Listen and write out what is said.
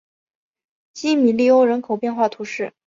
基米利欧人口变化图示